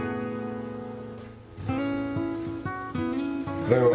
ただいま。